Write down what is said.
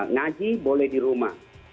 ngaji boleh di rumah